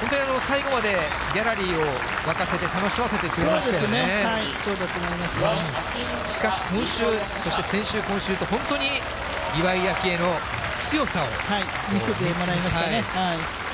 本当に最後までギャラリーを沸かせて、そうですね、そうだと思いましかし、今週、そして先週、今週と、本当に岩井明愛の強さを。見せてもらいましたね。